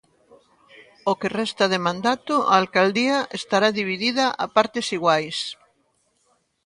O que resta de mandato a Alcaldía estará dividida a partes iguais.